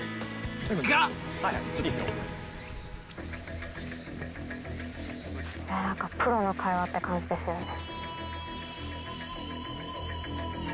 が何かプロの会話って感じですよね。